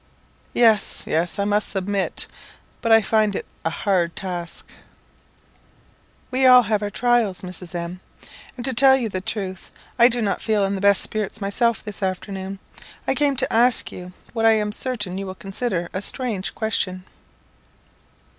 Yes! yes! I must submit, but I find it a hard task." "We have all our trials, Mrs. M ; and, to tell you the truth, I do not feel in the best spirits myself this afternoon. I came to ask you what I am certain you will consider a strange question."